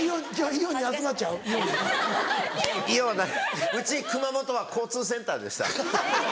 イオンないうち熊本は交通センターでした。